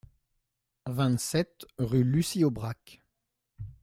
vingt-sept rue Lucie-Aubrac